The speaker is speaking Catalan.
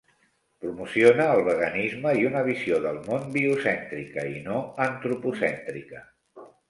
Promociona el veganisme i una visió del món biocèntrica, i no antropocèntrica.